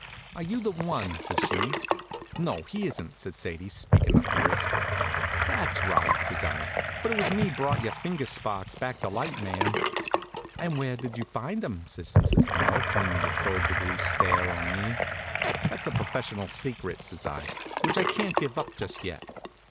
"Are you the one?" says she. "No, he isn't," says Sadie, speakin' up brisk. "That's right," says I; "but it was me brought your finger sparks back to light, ma'am." "And where did you find them?" says Mrs. Pell, turnin' the third degree stare on me. "That's a professional secret," says I, "which I can't give up just yet."